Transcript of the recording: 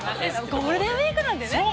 ゴールデンウイークなんでね。